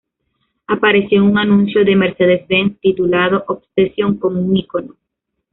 Apareció en un anuncio de Mercedes-Benz, titulado 'Obsession con un icono’.